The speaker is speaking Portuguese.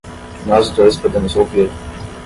Nós dois podemos ouvir.